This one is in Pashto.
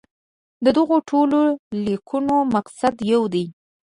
د دغو ټولو لیکنو مقصد یو دی.